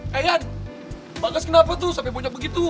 hei yan bagus kenapa tuh sampe punya begitu